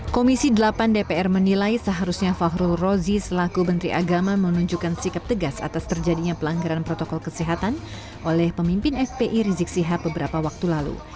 komisi delapan dpr menilai seharusnya fahrul rozi selaku menteri agama menunjukkan sikap tegas atas terjadinya pelanggaran protokol kesehatan oleh pemimpin fpi rizik sihab beberapa waktu lalu